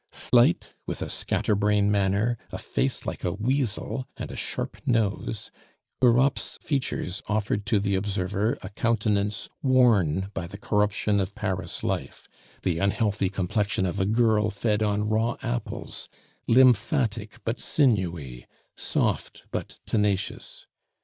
Slight, with a scatter brain manner, a face like a weasel, and a sharp nose, Europe's features offered to the observer a countenance worn by the corruption of Paris life, the unhealthy complexion of a girl fed on raw apples, lymphatic but sinewy, soft but tenacious.